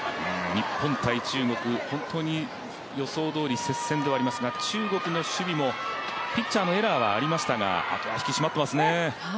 日本×中国、本当に予想どおり接戦ではありますが中国の守備もピッチャーのエラーはありましたがあとは引き締まってますね。